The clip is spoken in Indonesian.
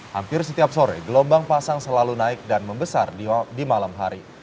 hampir setiap sore gelombang pasang selalu naik dan membesar di malam hari